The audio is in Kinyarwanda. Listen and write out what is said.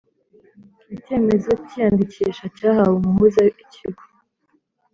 icyemezo cy iyandikisha cyahawe umuhuza Ikigo